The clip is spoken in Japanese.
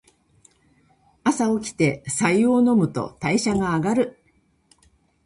朝おきて白湯を飲むと代謝が上がる。